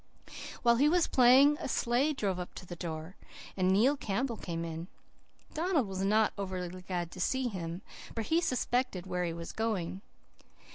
"While he was playing a sleigh drove up to the door, and Neil Campbell came in. Donald was not overly glad to see him, for he suspected where he was going.